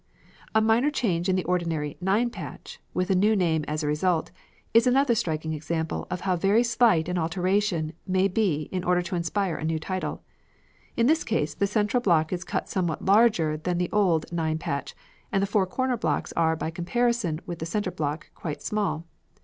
A minor change in the ordinary "Nine Patch," with a new name as a result, is another striking example of how very slight an alteration may be in order to inspire a new title. In this case, the central block is cut somewhat larger than in the old "Nine Patch," and the four corner blocks are, by comparison with the centre block, quite small.